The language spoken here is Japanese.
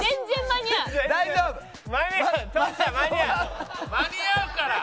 間に合うから。